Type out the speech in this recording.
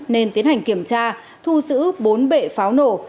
nên tiến hành kiểm tra thu giữ bốn bệ pháo nổ